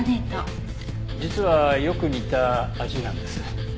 実はよく似た味なんです。